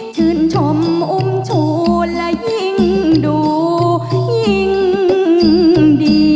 ชื่นชมอุ้มชูและยิ่งดูยิ่งดี